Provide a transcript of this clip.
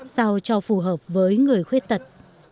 sao cho phù hợp với người khuyết tật